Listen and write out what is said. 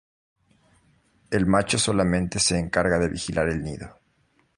El macho solamente se encarga de vigilar el nido.